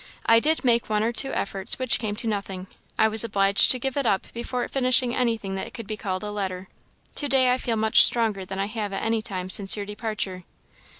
I did make one or two efforts which came to nothing; I was obliged to give it up before finishing anything that could be called a letter. To day I feel much stronger than I have at any time since your departure.